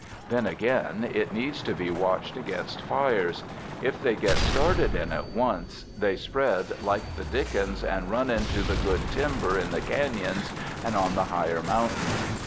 Then again, it needs to be watched against fires ; if they get started in it once, 167 UNDER THE SKY IN CALIFORNIA they spread like the dickens and run into the good timber in the canons and on the higher mountains.